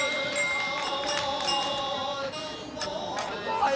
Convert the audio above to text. はい。